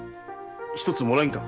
一つもらえんか？